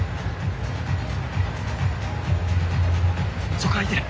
そこ空いてる。